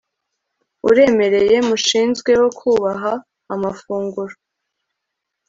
uremereye mushinzwe wo kubaha amafunguro